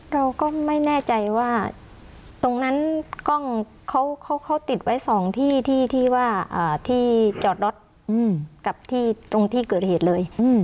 เราก็ไม่แน่ใจว่าตรงนั้นกล้องเขาติดไว้๒ที่ที่ว่าที่จอดรถกับที่ตรงที่เกิดเหตุเลย